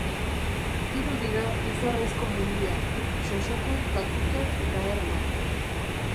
Hiru dira Izarraizko mendiak: Xoxote, Kakute eta Erlo.